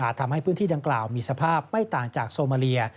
ทำให้พื้นที่ดังกล่าวมีสภาพไม่ต่างจากโซมาเลีย